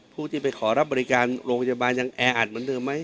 ผู้ที่ไปขอรับบริการโรงพยาบาลยังแออัดเหมือนเดิมไหม